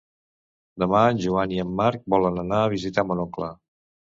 Demà en Joan i en Marc volen anar a visitar mon oncle.